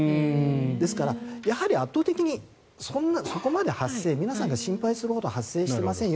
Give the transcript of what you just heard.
ですからやはり圧倒的にそこまで発生皆さんが心配するほど発生していませんよと。